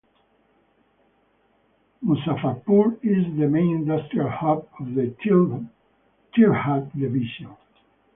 Muzaffarpur is the main Industrial hub of the Tirhut devision.